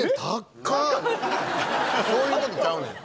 そういう事ちゃうねん。